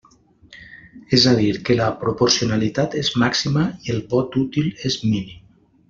És a dir, que la proporcionalitat és màxima i el vot útil és mínim.